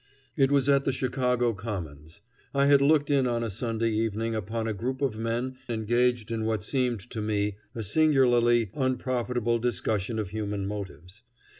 It was at the Chicago Commons. I had looked in on a Sunday evening upon a group of men engaged in what seemed to me a singularly unprofitable discussion of human motives.